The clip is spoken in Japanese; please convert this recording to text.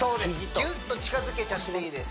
ぎゅっと近づけちゃっていいです